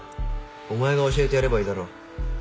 お前が教えてやればいいだろ。